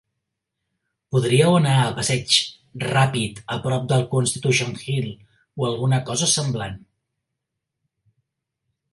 Podríeu anar a passeig ràpid a prop de Constitution Hill o alguna cosa semblant.